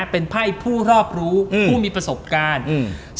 เป็นไพ่ผู้รอบรู้ผู้มีประสบการณ์อืม